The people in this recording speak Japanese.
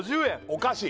おかしい！